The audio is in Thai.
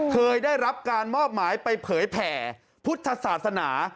เคยได้รับการมอบหมายไปเผยแผ่พุทธศาสนา